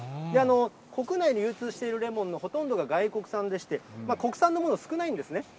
国内に流通しているレモンのほとんどが外国産でして、国産のもの少ないんですね。